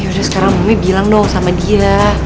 yaudah sekarang bumi bilang dong sama dia